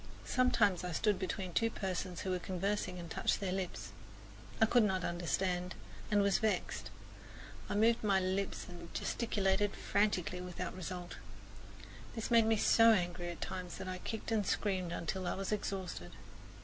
Sometimes I stood between two persons who were conversing and touched their lips. I could not understand, and was vexed. I moved my lips and gesticulated frantically without result. This made me so angry at times that I kicked and screamed until I was exhausted.